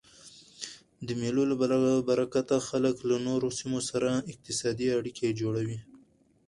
د مېلو له برکته خلک له نورو سیمو سره اقتصادي اړیکي جوړوي.